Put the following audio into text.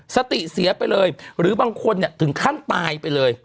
เสียไปเลยหรือบางคนถึงขั้นตายไปเลย